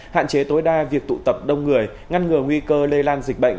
hạn chế tối đa việc tụ tập đông người ngăn ngừa nguy cơ lây lan dịch bệnh